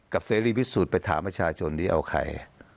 เสรีพิสูจน์ไปถามประชาชนดีเอาใคร